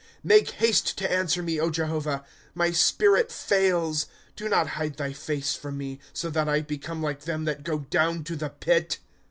^ Make haste to answer me, Jehovah ; My spirit fails. Do not hide thy face from me, So that I become like them that go down to the pit.